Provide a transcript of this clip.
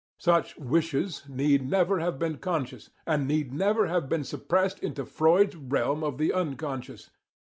Such 'wishes' need never have been 'conscious,' and NEED NEVER HAVE BEEN SUPPRESSED INTO FREUD'S REALM OF THE UNCONSCIOUS.